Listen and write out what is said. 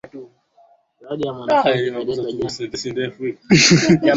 Goli maarufu la na Goli la historia kwa Zaidi ya miaka mia moja